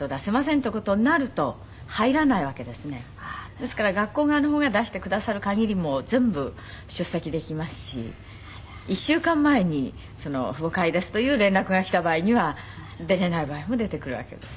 ですから学校側の方が出してくださる限りもう全部出席できますし１週間前に父母会ですという連絡が来た場合には出れない場合も出てくるわけです。